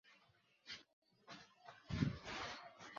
আমরা এমন কারো সাথে পাঙ্গা নিচ্ছি যে এই জায়গাটা ভালোভাবে চেনে।